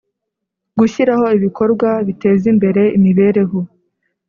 Gushyiraho ibikorwa bitezimbere imibereho